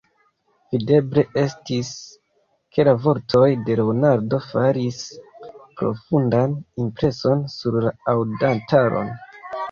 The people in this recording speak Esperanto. Videble estis, ke la vortoj de Leonardo faris profundan impreson sur la aŭdantaron.